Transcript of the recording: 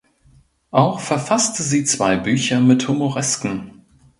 Auch verfasste sie zwei Bücher mit Humoresken.